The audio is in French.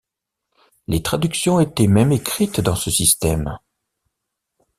Les traductions étaient même écrites dans ce système.